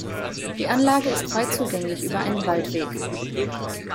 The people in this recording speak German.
Die Anlage ist frei zugänglich über einen Waldweg.